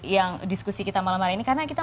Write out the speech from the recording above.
yang diskusi kita malam hari ini karena kita